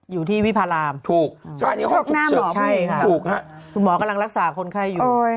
อยู่ที่วิภารามถูกใช่ค่ะครับคุณหมอกำลังรักษาคนไข้อยู่